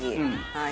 はい。